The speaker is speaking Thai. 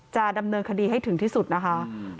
จะดำเนินคดีให้ถึงที่สุดนะคะ